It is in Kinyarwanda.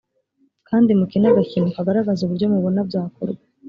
kandi mukine agakino kagaragaza uburyo mubona byakorwa